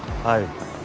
はい。